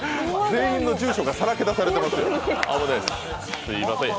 全員の住所がさらけ出されていますよ。